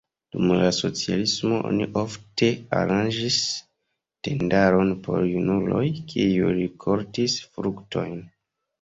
Dum la socialismo oni ofte aranĝis tendaron por junuloj, kiuj rikoltis fruktojn.